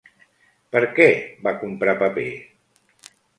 Per què va comprar paper?